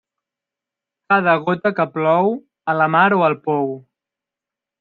Cada gota que plou, a la mar o al pou.